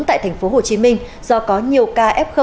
tại tp hcm do có nhiều ca f